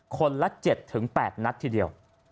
คนละ๗๘นัดทีเดียว